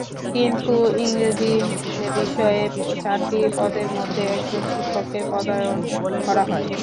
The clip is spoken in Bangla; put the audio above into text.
কিন্তু ইংরেজি বিষয়ে চারটি পদের মধ্যে একজন শিক্ষককে পদায়ন করা হয়।